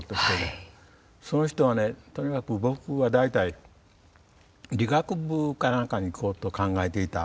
その人はねとにかく僕は大体理学部か何かに行こうと考えていた。